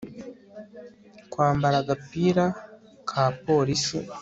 Kwambara agapira ka polisi